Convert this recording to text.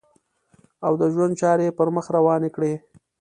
او د ژوند چارې یې پر مخ روانې کړې.